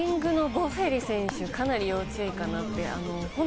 ウイングのボフェリ選手、かなり要注意かなって。